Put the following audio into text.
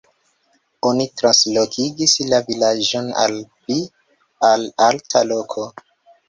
Oni translokigis la vilaĝon al pli al alta loko.